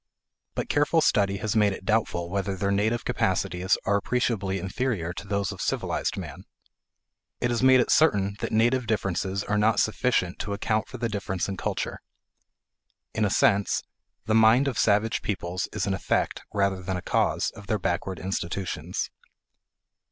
But careful study has made it doubtful whether their native capacities are appreciably inferior to those of civilized man. It has made it certain that native differences are not sufficient to account for the difference in culture. In a sense the mind of savage peoples is an effect, rather than a cause, of their backward institutions.